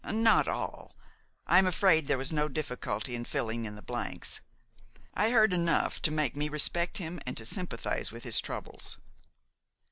"Not all. I am afraid there was no difficulty in filling in the blanks. I heard enough to make me respect him and sympathize with his troubles."